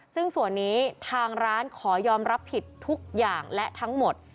ซึ่งส่วนนี้ทางร้านขอยอมรับผิดทุกอย่างและทั้งหมด